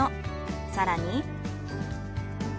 更に。